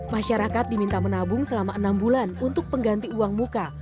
masyarakat diminta menabung selama enam bulan untuk pengganti uang muka